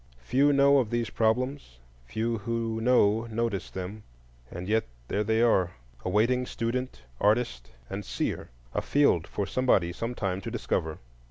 Few know of these problems, few who know notice them; and yet there they are, awaiting student, artist, and seer,—a field for somebody sometime to discover.